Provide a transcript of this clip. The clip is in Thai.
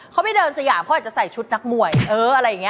เขาไปเดินสยามเขาอาจจะใส่ชุดนักมวยเอออะไรอย่างนี้